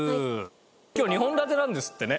今日２本立てなんですってね。